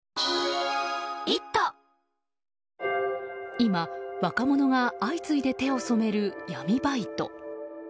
今、若者が相次いで手を染める闇バイト。